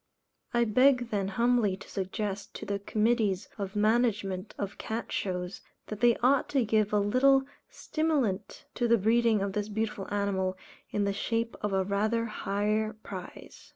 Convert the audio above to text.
I beg then humbly to suggest to the committees of management of cat shows, that they ought to give a little stimulant to the breeding of this beautiful animal, in the shape of a rather higher prize.